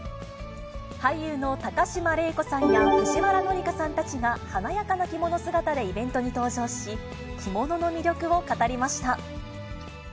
俳優の高島礼子さんや藤原紀香さんたちが華やかな着物姿でイベントに登場し、着物の魅力を語りました。